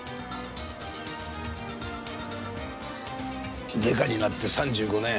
デカになって３５年。